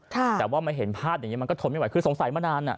แต่ว่ามาเห็นภาพอย่างนี้มันก็ทนไม่ไหวคือสงสัยมานานอ่ะ